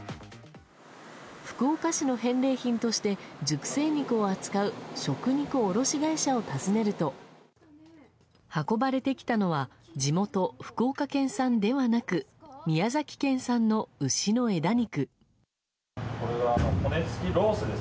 福岡市の返礼品として熟成肉を扱う食肉卸売会社を訪ねると運ばれてきたのは地元・福岡県産ではなく宮崎県産の牛の枝肉。